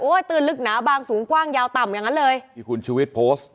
ตื่นลึกหนาบางสูงกว้างยาวต่ำอย่างนั้นเลยที่คุณชุวิตโพสต์